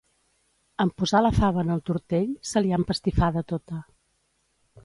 En posar la fava en el tortell, se li ha empastifada tota.